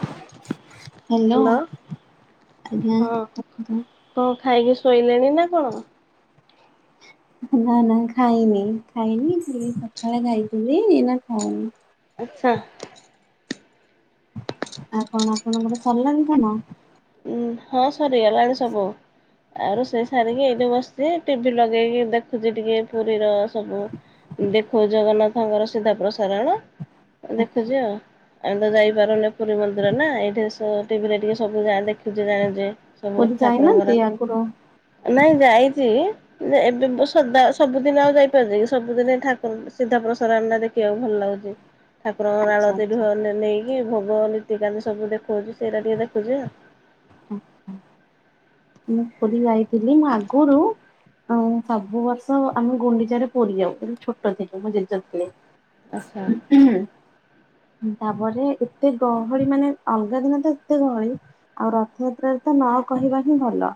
Hello ଆଜ୍ଞା ହଁ। କୁହନ୍ତୁ। କଣ ଖାଇକି ଶୋଇଲେଣି ନା କଣ? ନା ନା ଖାଇନି ଖାଇନି ସେଇ ସକାଳେ ଖାଇଥିଲି ଏଇନା ଖାଇନି। ଆଛା। ଆଉ କଣ ଆପଣଙ୍କର ସରିଲାଣି କାମ? ହଁ ସରିଗଲାଣି ସବୁ। ଆଉ ରୋସେଇ ସାରିକି ଏଇଠି ବସଛି ଟିଭି ଲଗେଇକି ଦେଖୁଛି ଟିକେ ପୁରୀର ସବୁ ଦେଖୋଉଛି ଜଗନ୍ନାଥଙ୍କର ସିଧା ପ୍ରସାରଣ। ଦେଖୁଛି ଆଉ ଆମେ ତ ଯାଇପାରୁନେ ପୁରୀ ମନ୍ଦିର ନା ଏଇଠି ଟିଭିରେ ଟିକେ ସବୁ ଯା ଦେ ଦେଖୁଚେ ଜାଣିଛେ ସବୁ ପୁରୀ ଠାକୁରଙ୍କର ଯାଇନାହାନ୍ତି ଆଗରୁ ନାଇଁ ଯାଇଛି। ଏବେ ସଦା ସବୁଦିନ ଆଉ ଯାଇପାରୁଛି କି ସବୁଦିନ ଠାକୁର ସିଧାପ୍ରସାରଣ ଟା ଦେଖି ଦେଖିବାକୁ ଭଲ ଲାଗୁଛି। ଠାକୁରଙ୍କର ଆଚ୍ଛା ଆଳତିଠୁ ଆଚ୍ଛା ନେଇକି ଭୋଗ ନୀତିକାନ୍ତି ସବୁ ଦେଖଉଛି ସେଇଟା ଟିକେ ଦେଖୁଛି ଆଉ। ଆଛା। ମୁଁ ପୁରୀ ଯାଇଥିଲି ମୁଁ ଆଗରୁ ଆଉ ସବୁ ବର୍ଷ ଆମେ ଗୁଣ୍ଡିଚାରେ ପୁରି ଯାଉ ଯେବେ ଛୋଟ ଥିଲି ମୋ ଜେଜ ଥିଲେ। ଆଚ୍ଛା ହୁଁ। ତାପରେ ଏତେ ଗହଳି ମାନେ ଅଲଗା ଦିନ ତ ଏତେ ଗହଳି। ଆଉ ରଥଯାତ୍ରାରେ ତ ନ କହିବା ହିଁ ଭଲ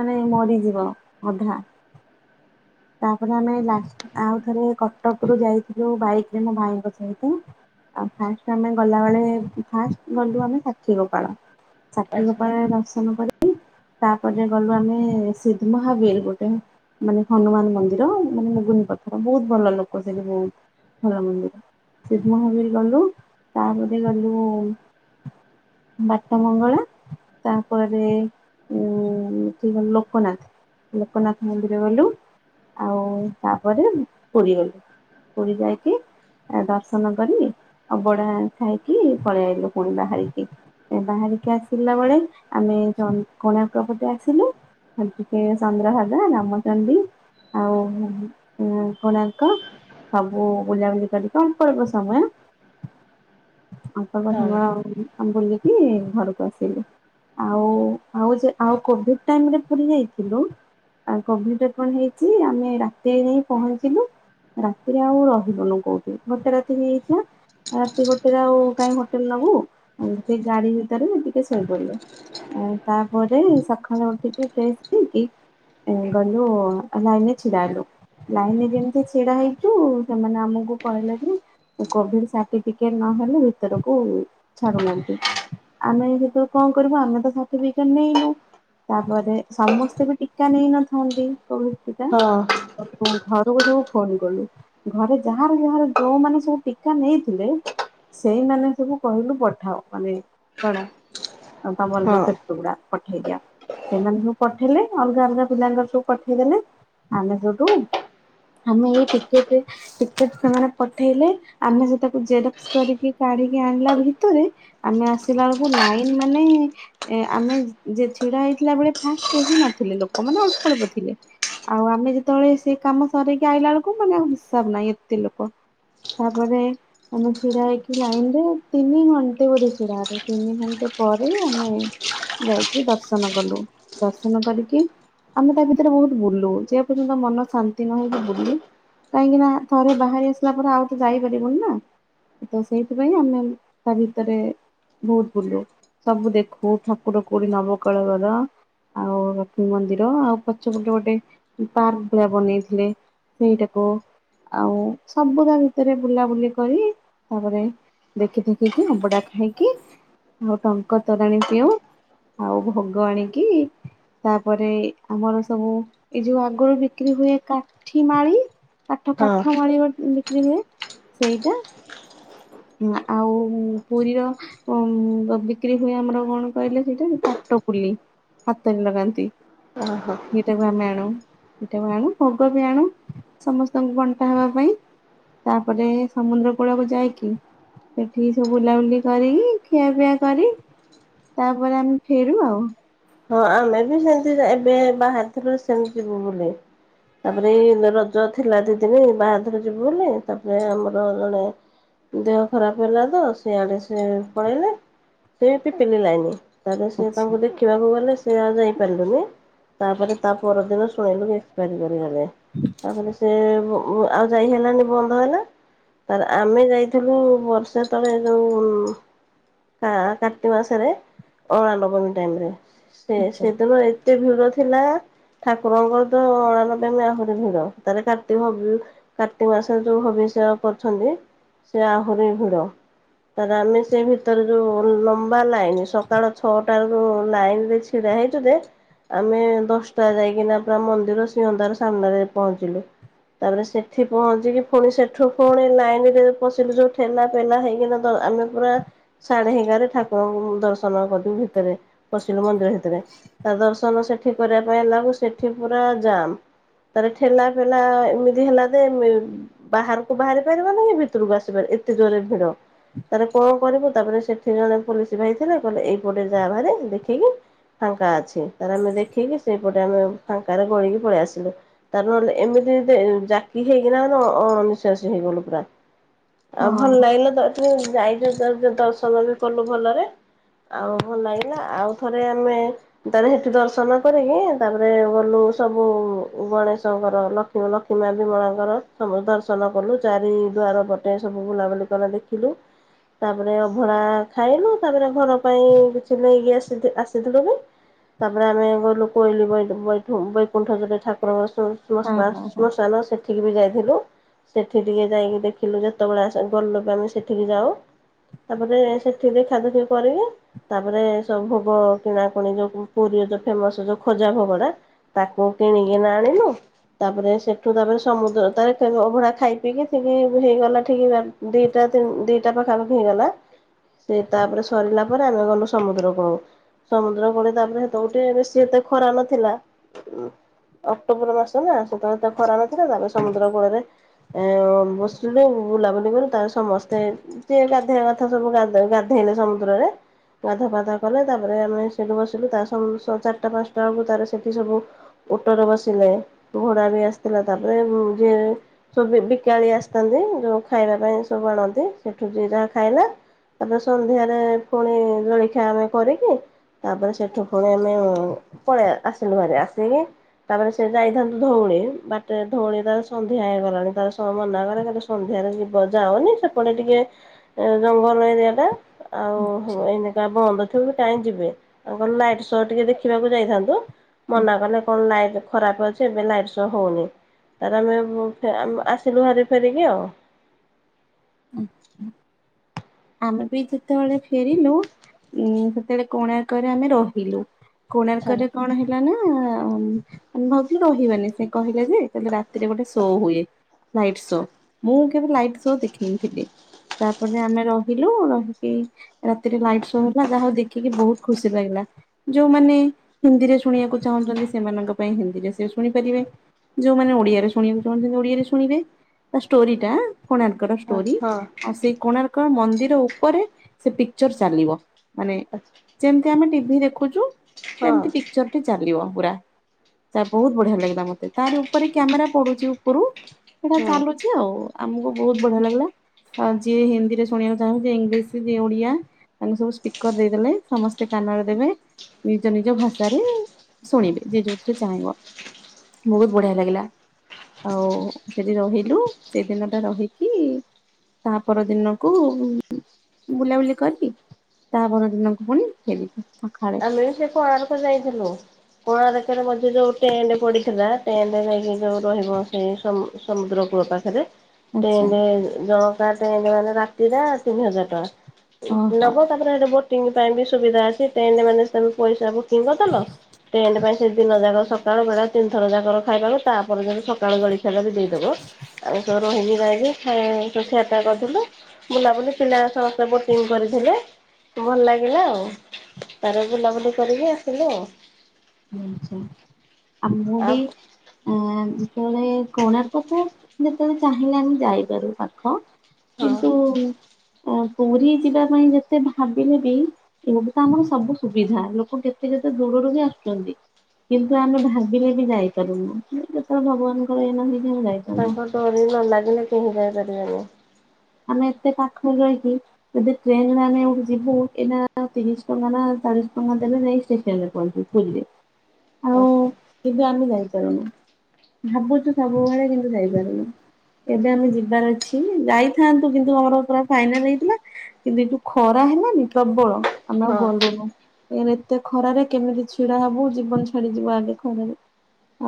ମାନେ ମରିଯିବ ଅଧା। ତାପରେ ଆମେ ଲାଷ୍ଟ ଆଉ ଥରେ କଟକରୁ ଯାଇଥିଲୁ ବାଇକରେ ମୋ ଭାଇଙ୍କ ସହିତ। ଆଉ ଫାଷ୍ଟ ଆମେ ଗଲାବେଳେ ଫାଷ୍ଟ ଗଲୁ ଆମେ ସାକ୍ଷୀ ଗୋପାଳ। ସାକ୍ଷି ଆଚ୍ଛା ଗୋପାଳ ରେ ଦର୍ଶନ ପରେ ତାପରେ ଗଲୁ ଆମେ ସିଦ୍ଧ ମହାବୀର ଗୋଟେ ମାନେ ହନୁମାନ ମନ୍ଦିର ମାନେ ମୁଗୁନି ପଥର ବହୁତ ଭଲ ଲୋକ ସେଇଠି ବହୁତ ଭଲ ମନ୍ଦିର। ସିଧ ମହାବୀର ଗଲୁ, ତାପରେ ଗଲୁ ବାଟ ମଙ୍ଗଳା, ତାପରେ ଉଁ କି ଗ ଲୋକନାଥ ଲୋକନାଥ ମନ୍ଦିର ଗଲୁ। ଆଉ ତାପରେ ପୁରୀ ଗଲୁ, ପୁରୀ ଯାଇକି ଦର୍ଶନ କରି ଆଉ ଅବଢ଼ା ଖାଇକି ପଳେଇ ଆଇଲୁ ପୁଣି ବାହାରିକି। ଏ ବାହାରିକି ଆସିଲା ବେଳେ ଆମେ କୋଣାର୍କ ପଟେ ଆସିଲୁ। ଆ ଟିକେ ଚନ୍ଦ୍ରଭାଗା ରାମଚଣ୍ଡୀ। ଆଉ ଉମ କୋଣାର୍କ। ସବୁ ବୁଲାବୁଲି କରିକି ଅଳ୍ପ ଅଳ୍ପ ସମୟ ହଁ ସର୍ ବୁଲିକି ଘରକୁ ଆସିଲୁ। ଆଉ ଆଉ ଆଉ କୋଭିଡାଇମରେ ପୁରି ଯାଇଥିଲୁ ଆଉ କୋଭିଡ ରେ କଣ ହେଇଛି ଆମେ ରାତି ନେଇ ପହଞ୍ଚିଲୁ। ରାତିରେ ଆଉ ରହିଲୁନୁ କୋଉଠି ଗୋଟେ ରାତି ହେଇଯାଇଥିଲା। ରାତି ଗୋଟେରେ ଆଉ କାଇହିଁ ହୋଟେଲ ନବୁ ଆଉ ସେ ଗାଡି ଭିତରେ ଟିକେ ଶୋଇପଡ଼ିଲ ତାପରେ ସକାଳେ ଉଠିକି ଫକି ଗଲୁ ଲାଇନ ରେ ଛିଡା ହେଲୁ ଲାଇନ ରେ ଯେମତି ଛିଡା ହେଇଛୁ ସେମାନେ ଆମକୁ କହିଲେ ଯେ କୋଭିଡ ସାର୍ଟିଫିକେଟ ନହେଲେ ଭିତରକୁ ଛାଡୁନାହାନ୍ତି ଆମେ ସେ କଣ କରିବୁ ଆମେ ତ ସାର୍ଟିଫିକେଟ ନେଇନୁ ତାପରେ ସମସ୍ତେ ବି ଟୀା ନେଇନଥାନ୍ତି କୋଭିଡ ଟିକା ହଁ ଆଉ ତ ଘରକୁ ସବୁ ଫୋନ କଲୁ ଘରେ ଯାହାର ଯାହାର ଯୋଉମାନୋନ ସବୁ ଟୀ ନେଇଥିଲେ ସେଇମାନେେ ସବୁ କହିଲୁ ପଠାଅ ମାନେ କଣ ତମର ହଁ ଯୋଉ ଗୁଡା ପଠେଇ ଦିଅ ସେମାନେ ସବୁ ପଠେଇଲେ ଅଲଗା ଅଲଗା ପିଲାଙ୍କର ସବୁ ପଠେଇଦେଲେ ଆମେ ଯୋଠୁ ଆମେ ଏଇ ଟିକେ ଟିକେ ସେମାନେ ପଠେଇଲେ ଆମେ ସେ ତାକୁ ଜେରକ୍ସ କରିକି କାଢିକି ଆଣିଲା ଭିତରେ ଆମେ ଆସିଲା ବେଳକୁ ଲାଇନ ମାନେ ଏ ଆମେ ଯେ ଛିଡା ହେଇଥିଲା ବେଳେ ଫାଷ୍ଟ କେହି ନଥିଲେ ଲୋକମାନୋନେ ଅଳ୍ପ ଅଳ୍ପ ଥିଲେ ଆଉ ଆମେ ଯେତେବେଳେ ସେ କାମ ସରକି ଆଇିଲା ବେଳକୁ ମାନେ ହିସାବ ନାହିଁ ଏତେ ଲୋକ ତାପରେ ଆମେ ଛିଡା ହେଇକି ଲାଇନ ରେ ତିନି ଘଣ୍ଟେ ବୋଧେ ଛିଡା ତିନି ଘଣ୍ଟେ ପରେ ଆମେ ଯାଇକି ଦର୍ଶନ କଲୁ ଦର୍ଶନ କରିକି ଆମେ ତା ଭିତରେ ବହୁତ ବୁଲୁ ଯେ ପର୍ଯ୍ୟନ୍ତ ମନ ଶାନ୍ତି ନହେ ଯେ ବୁଲୁ କାହିଁକି ନା ଥରେ ବାହାରି ଆସିଲା ପରେ ଆଉ ତ ଯାଇପାରିବୁନି ନା ତ ସେଇଥିପାଇଁ ଆମେ ତା ଭିତରେ ବହୁତ ବୁଲୁ ସବୁ ଦେଖୁ ଠାକୁର କୋଡି ନବକଳର ଆଉ ଲକ୍ଷ୍ମୀ ମନ୍ଦିର ଆଉ ପଛପଟଟ ପାର୍କ ଭା ବନେଇଥିଲେ ସେଇଟାକୁ ଆଉ ସବୁଦ ଭିତରେ ବୁଲାବୁଲି କରି ତାପରେ ଦେଖି ଦେଖିକି ଅବଡା ଖାଇକି ଆଉ ଟଙ୍କା ତରାଣି ପିଉ ଆଉ ଭୋଗ ଆଣିକି ତାପରେ ଆମର ସବୁ ଏଇ ଯୋଉ ଆଗରୁ ବିକ୍ରି ହୁଏ କାଠି ମାାରି କାଠ ହଁ କାଠ ମାାରିବା ବିକି ହୁଏ ସେଇଟା ଆଉ ପୁରୀର ଉ ବିକ୍ରି ହୁଏ ଆମର କଣ କହିଲେ ସେଇଟା ପାଟ ପୁଲି ହାତରେ ଲଗାନ୍ତି ଓହୋ ଏଇଟାକୁ ଆମେ ଆଣୁ ଏଇଟାକୁ ଆଣୁ ପୋଗ ବି ଆଣୁ ସମସ୍ତଙ୍କୁ ବଣ୍ଟା ହେବା ପାଇଁ ତାପରେ ସମୁଦ୍ର କୂଳକୁ ଯାଇକି ସେଠିକି ସବୁ ବୁଲାବୁଲି କରିକି ଖିଆପିଆ କରି ତାପରେ ଆମେ ଫେରୁ ଆଉ ହଁ ଆମେ ବି ସେମିତି ଏବେ ବାହାରିଥିଲୁ ସେମିତି ଯିବୁ ବୋଲି ତାପରେ ଏଇ ରଜ ଥିଲା ଦି ଦିନ ବାହାଘର ଯିବୁ ବୋଲି ତାପରେ ଆମର ଜଣେ ଦେହ ଖରାପ ହେଲା ତ ସେଇଆଡେ ସ ପଳେଇଲେ ସେ ପିଲିଲାଇନି ତାହେଲେ ସେ ଆଚ୍ଛା। ତାଙ୍କୁ ଦେଖିବାକୁ ଗଲେ ସେ ଆଉ ଯାଇପାରିଲୁନି ତାପରେ ତା ପରଦିନ ଶୁଣେଇିଲୁ କି ରଲେ ତାପରେ ସେ ଆଉ ଯାଇ ହେଲାନି ବନ୍ଦ ହେଲା ତାର୍ ଆମେ ଯାଇଥିଲୁ ବର୍ଷେ ତଳେ ଯୋଉ କାର୍ତ୍ତି ମାସରେ ଅଣ ନବମୀ ଟାଇମ ରେ ସେ ଆଛା ସେଦିନ ଏତେ ଭିଡ ଥିଲା ଠାକୁରଙ୍କର ତ ଅଣାନବେ ମ ଆହୁରି ଭିଡ ତାରେ କାର୍ତ୍ତିକ କାର୍ତ୍ତିକ ମାସରେ ଯୋଉ ଭବିଷ୍ୟତ କରୁଛନ୍ତି ସେ ଆହୁରି ଭିଡ ତାର ଆମେ ସେ ଭିତରେ ଯୋଉ ଲମ୍ବା ଲାଇନ ସକାଳ ଛଅଟା ଯୋ ଲାଇନ ରେ ଛିଡ଼ା ହେଇଚୁ ଯେ ଆମେ ଦଶଟା ଯାଇକିନା ପୁରା ମନ୍ଦିର ସିଂହଦ୍ୱାର ସାମ୍ନାରେ ପହଞ୍ଚିଲୁ। ତାପରେ ସେଠି ପହଞ୍ଚିକି ପୁଣି ସେଠୁ ପୁଣି ଲାଇନ ରେ ପଶିଲୁ ଯୋଉ ଠେଲା ପେଲା ହେଇକିନା ତ ଆମେ ପୁରା ସାଢ଼େ ଏଗାର ଠାକୁରଙ୍କୁ ଦର୍ଶନ କଲୁ ଭିତରେ ବସିଲୁ ମନ୍ଦିର ଭିତରେ। ରେ ତା ଦର୍ଶନ ସେଠି କରିବା ପାଇଁ ଲାଗୁ ସେଠି ପୁରା ଯାମ୍। ତାର ଠେଲା ପେଲା ଏମିତି ହେଲା ଯେ ବାହାରକୁ ବାହାରି ପାରିବନି କି ଭିତରକୁ ଆସିପାରିବନି ଏତେ ଜୋରରେ ଭିଡ଼। ତାରେ କଣ କରିବୁ ତାପରେ ସେଠି ଜଣେ ପୋଲିସ ଭାଇ ଥିଲେ କହିଲେ ଏଇପଟେ ଯା ବାହାରେ ଦେଖିକି ଫାଙ୍କା ଅଛି ତାର ଆମେ ଦେଖିକି ସେଇପଟେ ଆମେ ଫାଙ୍କାରେ ଗୋଳିକି ପଳେଇ ଆସିଲୁ। ତାର ନହେଲେ ଏମିତି ଜାକି ହେଇକିନା ଅଣ ନିିଶ୍ୱାସ ହେଇଗଲୁ ପୁରା। ଆଉ ଭଲ ହଁ ଲାଗିଲା ଯାଇକି ଦର୍ଶନ ବି କଲୁ ଭଲରେ। ଆଉ ଭଲ ଲାଗିଲା ଆଉ ଥରେ ଆମେ ତାହେ ସେଠି ଦର୍ଶନ କରିକି ତାପରେ ଗଲୁ ସବୁ ଗଣେଶଙ୍କର ଲକ୍ଷ ଲକ୍ଷ୍ମୀ ମାବି ମାଁ ଆଙ୍କର ସବୁ ଦର୍ଶନ କଲୁ ଚାରି ଦୁଆର ପଟେ ସବୁ ବୁଲାବୁଲି କଲେ ଦେଖିଲୁ। ତାପରେ ଅଭଡ଼ା ଖାଇଲୁ ତାପରେ ଘର ପାଇଁ କିଛି ନେଇକି ଆସି ଆସିଥିଲୁ ବି ତାପରେ ଆମେ ଗହଲୁ କୋଇଲି ବ ବ ବୈକୁଣ୍ଠ ଜୋରେ ଠାକୁର ବସୁ ହଁ ମଶମା ହଁ ହଁ। ମଶଲେ ସେଠିକି ବି ଯାଇଥିଲୁ ସେଠି ଟିକେ ଯାଇକି ଦେଖିଲୁ ଯେତେବେଳେ ଆସ ଗଲ ବି ଆମେ ସେଠିକି ଯାଉ ତାପରେ ସେଠି ଦେଖା ଦେଖି କରିକି ତାପରେ ସବୁ ଭୋଗ କିଣା ପୁଣି ଯୋଉ ପୁରୀ ଯୋଉ ଫେମସ ଯୋଉ ଖୋଜା ଭୋଗଟା ତାକୁ କିଣିକିନା ଆଣିଲୁ। ତାପରେ ସେଠୁ ତାପରେ ସମୁଦ୍ର ତ ଅଭଡ଼ା ଖାଇ ପିଇକି ଠିକ ହେଇଗଲା ଠିକ। ଦିଟା, ତିନ୍ -ଦିଟା ପାଖାପାଖି ହେଇଗଲା। ସେ ତାପରେ ସରିଲା ପରେ ଆମେ ଗଲୁ ସମୁଦ୍ରକୁ। ସମୁଦ୍ରକୂଳେ ତାପରେ ହେତେବେଳକୁ ଗୋଟେ ବେଶି ଏତେ ଖରା ନଥିଲା। ଅକ୍ଟୋବର ମାସ ନା ସେତେବେଳେତେ ଖରା ନଥିଲା ତାହେଲେ ସମୁଦ୍ର କୂଳରେ ଏ ବସିଲୁ ବୁଲାବୁଲି କଲୁ ତାପରେ ସମସ୍ତେ ଯିଏ ଗାଧେଇବା କଥା ସବୁ ଗାଧେଇଲେ ସମୁଦ୍ରରେ ଗାଧା ପାଧା କଲେ ତାପରେ ଆମେ ସେଠୁ ବସିଲୁ ତା ଚାରିଟା ପାଞ୍ଚଟା ବେଳକୁ ତାର ସେଠି ସବୁ। ଓଟରେ ବସିଲେ, ଘୋଡ଼ା ବି ଆସିଥିଲା ତାପରେ ଯିଏ ସବୁ ବିକାଳି ଆସିଥାନ୍ତି ଯୋଉ ଖାଇବା ପାଇଁ ସବୁ ଆଣନ୍ତି ସେଠୁ ଯେ ଯାହା ଖାଇଲା। ତାପରେ ସନ୍ଧ୍ୟାରେ ପୁଣି ଜଳଖିଆ ଆମେ କରିକି ତାପରେ ସେଠୁ ପୁଣି ଆମେ ପଳେଇ ଆସିଲୁ ଘରେ ଆସିକି ତା'ପରେ ସେ ଯାଇଥାନ୍ତୁ ଧଉଳୀ! ବାଟେରେ ଧଉଳି ତା ସନ୍ଧ୍ୟା ହେଇଗଲାଣି ତାର ସ ମନା କଲେ। କଲେ ସ ସନ୍ଧ୍ୟାରେ ଯିବ ଯାଅନି। ସେପଟେ ଟିକେ ଜଙ୍ଗଲ ଏରିଆ ଟା ଆଉ ଏଇନିକା ବନ୍ଦ ଥିବ। କାଇଁ ଯିବେ? ତାଙ୍କର ଲାଇଟ୍ ଶୋ ଟିକେ ଦେଖିବାକୁ ଯାଇଥାନ୍ତୁ। ମନା କଲେ କଣ ଲାଇ ଦେଖ ଖରାପ ଅଛି। ଏବେ ଲାଇଟ୍ ଶୋ ହଉନି। ତାର ଆମେ-ଏ-ମ ଆମ୍ ଆସିଲୁ ହାରି ଫେରିକି ଆଉ। ଆମେ ବି ଯେତେବେଳେ ଫେରିଲୁ, ଉଁ ସେତେବେଳେ କୋଣାର୍କରେ ଆମେ ରହିଲୁ। ଆଚ୍ଛା କୋଣାର୍କରେ କଣ ହେ ଲାନା, ଆମ୍ ଆମେ ଭାବିଥିଲୁ ରହିବାନି। ସେ କହିଲେ ଯେ ରାତିରେ ଗୋଟେ ଶୋ ହୁଏ। Light show! ମୁଁ କେବେ ଲାଇଟ୍ ଶୋ ଦେଖିନଥିଲି? ତା'ପରେ ଆମେ ରହିଲୁ। ରହିକି ରାତିରେ ଲାଇଟ୍ ଶୋ ହେଲା, ଯାହାହଉ ଦେଖିକି ବହୁତ ଖୁସି ଲାଗିଲା। ଯୋଉଁ ମାନେ ହିନ୍ଦୀରେ ଶୁଣିବାକୁ ଚାହୁଁଛନ୍ତି, ସେମାନଙ୍କ ପାଇଁ ହିନ୍ଦୀରେ ସେ ଶୁଣିପାରିବେ। ଯୋଉଁ ମାନେ ଓଡ଼ିଆରେ ଶୁଣିବାକୁ ଚାହୁଁଛନ୍ତି ଓଡ଼ିଆରେ ଶୁଣିବେ। ତା ଷ୍ଟୋରିଟା-ଆ କୋଣାର୍ ର୍କର ହଁ ଷ୍ଟୋରୀ। ଆଉ, ସେ କୋଣାର୍କ ମନ୍ଦିର ଉପରେ ସେ ପିକ୍ଚର୍ ଚାଲିବ। ମାନେ ହଁ ଯେମିତି ଆମେ ଟିଭିି ଦେଖୁଛୁ। ହଁ ଯେମିତି ପିକ୍ଚରଟି ଚାଲିବ ପୁରା। ତା ବହୁତ ବଢ଼ିଆ ଲାଗିଲା ମତେ। ତାରି ଉପରେ କ୍ୟାମେରା ପଡୁଛି ଉପରୁ। ହେଟା ହଁ ଚାଲୁଛି ଆଉ। ଆମକୁ ବହୁତ ବଢ଼ିଆ ଲାଗିଲା। ଆ ଯିଏ ହିନ୍ଦୀରେ ଶୁଣିଆ ଯାହଉ, ଯିଏ ଇଂଲିଶ ଯିଏ ଓଡ଼ିଆ, ତାଙ୍କୁ ସବୁ ସ୍ପିକର ଦେଇଦେଲେ, ସମସ୍ତେ କାନରେ ଦେବେ। ନିଜ ନିଜ ଭାଷାରେ ଶୁଣିବେ। ଯିଏ ଯୋଉଥିରେ ଚାହିଁବ। ବହୁତ୍ ବଢ଼ିଆ ଲାଗିଲା। ଆଉ ସେଠି ରହିଲୁ, ସେଦିନ ଟା ରହିକି ତାହା ପର ଦିନକୁ ଉ ଉ ବୁଲାବୁଲି କରି, ତାହା ପରଦିନକୁ ପୁଣି ଫେରିଲୁ ସଖାଳେ। ଆମେ ବି ସେ କୋଣାର୍କୁ ଯାଇଥିଲୁ? କୋଣାର୍କ ରେ ମଝି ଯୋଉ ଟେଣ୍ଡ ପଡିଥିଲା, ଟେଣ୍ଡ ରେ ଯାଇକି ଯୋଉ ରହିବ, ସେଇ ସମ-ସମୁଦ୍ର କୂଳ ପାଖ୍ ରେ ଆଚ୍ଛା ଟେଣ୍ଡେ ଜଣକା ଟେଣ୍ଡ ମାନେ, ରାତିଟା ତିନ ହଜାର ଟଙ୍କା ଓହୋ ନବ। ତା'ପରେ ହେଠେ ବୋଟିଂ ପାଇଁ ବି ସୁବିଧା ଅଛି। ଟେଣ୍ଡ ମାନେ ସେମ୍ ପଇସା ବୁ କିଙ୍ଗ୍ କଦେଲ। ଟେଣ୍ଡ ପାଇଁ ସେ ଦିନ ଯାକ, ସକ୍ ସକାଳୁ ବେଳା ତିନିଥର ଯାକର ଖାଇବାକୁ, ତା'ପରଦିନ ସକାଳୁ ଜଲିଖିଆଟା ବି ଦେଇଦବ। ଆଉ, ସବୁ ରୁହିଁକି ଯାଇକି, ଖାଇ-ଇ ଖିଆ ପିଆ କରିଥିଲୁ ତ, ବୁଲାବୁଲି ପିଲା ସ ବୋଟିଙ୍ଗ୍ କରିଥିଲେ। ଭଲ ଲାଗିଲା ଆଉ। ତାରେ ବୁଲାବୁଲି କରିକି ଆସିଲୁ ଆଉ। ଆଛା, ଆ ମୁଁ ଆଉ ବି ଆ, ଯେତେବେଳେ କୋଣାର୍କ ତ ଯେତେବେଳେ ଚାହିଁଲେ ଆମେ ଯାଇପାରୁ ପାଖ। ହଁ କିନ୍ତୁ-ଉ ଆଁ ପୁରୀ ଯିବା ପାଇଁ ଯେତେ ଭାବିଲେ ବି ଏଇଠୁ ତ ଆମର ସବୁ ସୁବିଧା! ଲୋକ କେତେ କେତେ ଦୂରରୁ ହିଁ ଆସୁ ଚନ୍ତି। କିନ୍ତୁ ଆମେ ଭାବିଲେ ବି ଯାଇପାରୁନୁ। ଯେତେବେଳେ ଭଗବାନଙ୍କ କାଳ ଏଇନା ହେଇ ଯାଅ, ମୁଁ ଯାଇପାରୁନି। ତାଙ୍କ ଡୋରି ନ ଲାଗିଲେ, କେହିଁ ଯାଇପାରିବେନି? ଆମେ ଏତେ ପାଖରେ ରହିିକି ଯଦି ଟ୍ରେନ୍ ରେ ଆମେ ଏଇଠୁ ଯିବୁ। ଏଇନା ତିରିଶ ଟଙ୍କା ନା ଚାଳିଶ ଟଙ୍କା ଦେଲେ ଯାଇ ଷ୍ଟେସନ ରେ ପହଞ୍ଚିବୁ। ପୁରୀ ରେ। ଆ ହ। କିନ୍ତୁ ଆମେ ଯାଇ ପାରୁନୁ। ଭାବୁଛୁ ସବୁବେଳେ, କିନ୍ତୁ ଯାଇପାରୁନି। ଏବେ ଆମେ ଯିବାର ଅଛି, ଯାଇଥି ଥାନ୍ତୁ। କିନ୍ତୁ ଆମର ପୁରା ଫାଇନାଲ୍ ହେଇଥିଲା। କିନ୍ତୁ ଏଯଉ ଖରା ହେଲାନି ପ୍ରବଳ ଆମେ ଆଉ ହଁ ଗଲୁନୁ। କାଇଁ ନା ଏତେ ଖରାରେ କେମିତି ଛିଡା ହବୁ? ଜୀବନ ଛାଡିଯିବ, ଆଗେ ଖରାରେ।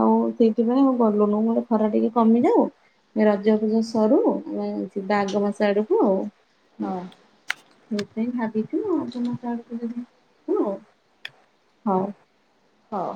ଆଉ ସେଇଥିପାଇଁ ଆଉ ଗଲୁନୁ। [unintelligible] ଖରା ଟିକେ କମିଯାଉ ରଜ ଫଜ ସରୁ। [unintelligible] ଯିବା ଆଗ ମାସ ଆଡକୁ ଆଉ। ହଁ ସେଇଥିପାଇଁ ଭାବିଛୁ, ଆଗ ମାସ ଆଡକୁ ଯିବୁ [inaudible] ଆଉ। ହଉ। ହଉ।